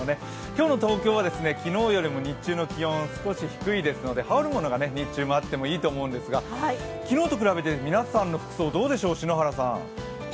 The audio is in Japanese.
今日の東京は昨日よりも日中の気温が少し低いですので、羽織るものが日中もあっていいと思うんですが昨日と比べると皆さんの服装いかがでしょうか。